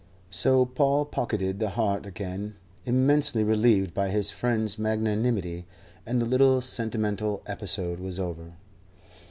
So Paul pocketed the heart again, immensely relieved by his friend's magnanimity, and the little sentimental episode was over.